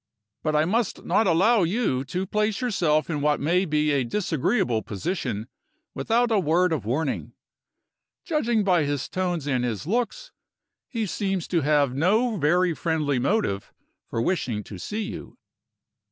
But I must not allow you to place yourself in what may be a disagreeable position, without a word of warning. Judging by his tones and his looks, he seems to have no very friendly motive for wishing to see you."